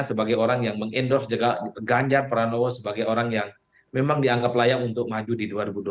sebagai orang yang mengendorse ganjar pranowo sebagai orang yang memang dianggap layak untuk maju di dua ribu dua puluh